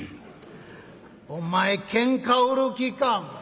「お前けんか売る気か。